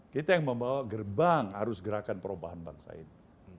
kita yang membawa gerbang arus gerakan perubahan bangsa ini